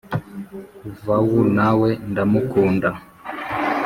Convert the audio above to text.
Vawu nawe ndamukunda